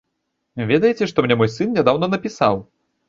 Ведаеце, што мне мой сын нядаўна напісаў?